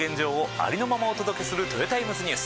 ありのままお届けするトヨタイムズニュース